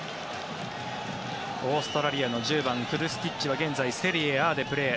オーストラリアの１０番フルスティッチは現在、セリエＡでプレー。